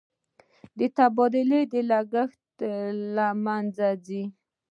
د تبادلې لګښتونه له منځه ځي.